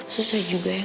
susah juga ya ngelupain